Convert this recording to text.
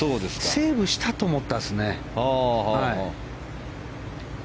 セーブしたと思ったんですね。